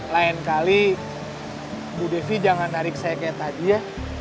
lain kali bu devi jangan narik saya kayak tadi ya